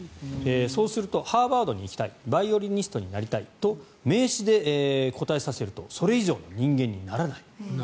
そうするとハーバードに行きたいバイオリニストに行きたいと名詞で答えさせるとそれ以上の人間にならない。